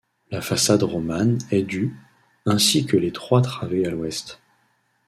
La façade romane est du ainsi que les trois travées à l'ouest.